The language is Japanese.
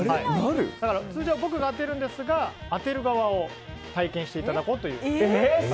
通常は僕が当てるんですが当てる側を体験していただこうという。